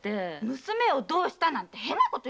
「娘をどうした」なんて変なことを。